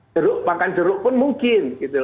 jeruk makan jeruk pun mungkin